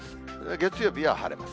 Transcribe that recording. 月曜日は晴れます。